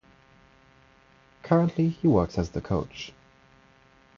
Currently he works as the coach.